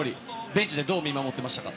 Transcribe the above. ベンチでどう見守っていましたか。